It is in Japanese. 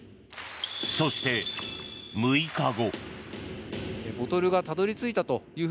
そして、６日後。